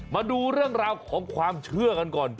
มาดูเรื่องราวของความเชื่อกันก่อน